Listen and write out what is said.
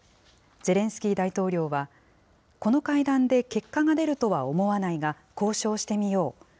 ゼレンスキー大統領は、この会談で結果が出るとは思わないが、交渉してみよう。